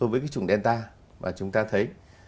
với cái chủng delta mà chúng ta thấy